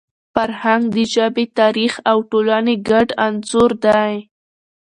فرهنګ د ژبي، تاریخ او ټولني ګډ انځور دی.